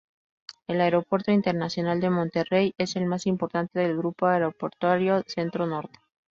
El Aeropuerto Internacional de Monterrey es el más importante del Grupo Aeroportuario Centro Norte.